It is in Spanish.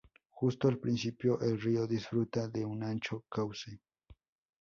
Justo al principio, el río disfruta de un ancho cauce.